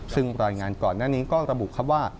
ซึ่งรายงานก่อนหน้านี้ก็ระบุครับว่า